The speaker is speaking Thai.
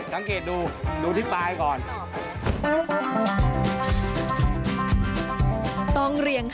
ต้องอยู่ต้องจริง